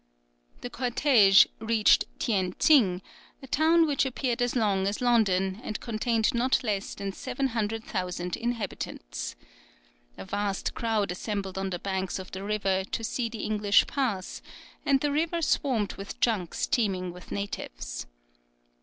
The cortège reached Tien Tsing, a town which appeared as long as London, and contained not less than seven hundred thousand inhabitants. A vast crowd assembled on the banks of the river to see the English pass, and the river swarmed with junks teeming with natives.